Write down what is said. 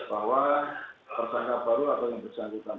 bahwa tersangka baru atau yang bersangkutan